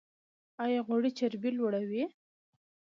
ایا غوړي چربي لوړوي؟